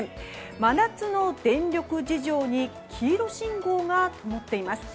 真夏の電力事情に黄色信号がともっています。